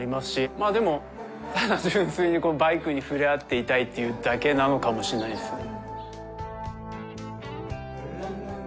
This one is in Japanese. まあでもただ純粋にこのバイクに触れ合っていたいっていうだけなのかもしれないですね。